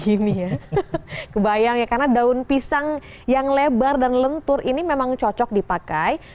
gini ya kebayang ya karena daun pisang yang lebar dan lentur ini memang cocok dipakai